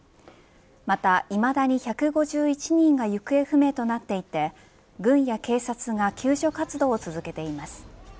また、いまだに１５１人が行方不明となっていて軍や警察が救助活動を続けています。